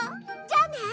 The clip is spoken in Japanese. じゃあね！